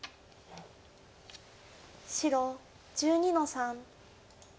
白１２の三。